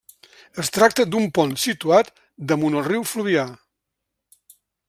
Es tracta d'un pont situat damunt el riu Fluvià.